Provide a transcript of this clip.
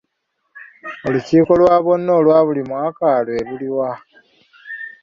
Olukiiko lwa bonna olwa buli mwaka lwe luliwa?